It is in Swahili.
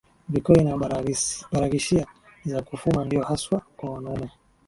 Vikoi na baraghashia za kufuma ndio haswaa kwa wanaume